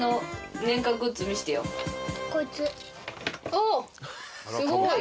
おすごい。